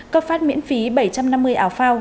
cấp phát miễn phí bảy trăm năm mươi áo phao